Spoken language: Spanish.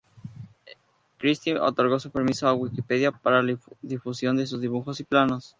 Christie otorgó su permiso a Wikipedia para la difusión de sus dibujos y planos.